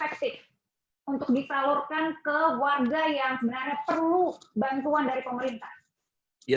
efektif untuk disalurkan ke warga yang sebenarnya perlu bantuan dari pemerintah